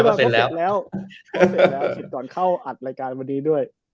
โอเคเปลี่ยนแน่นอนเข้าใจเล่นรายการหัวดีด้วย